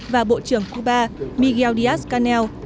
và bộ trưởng cuba miguel diaz canel